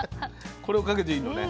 これをかけていいのね？